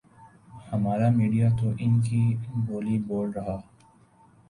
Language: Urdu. ہمارا میڈیا تو انکی بولی بول رہا ۔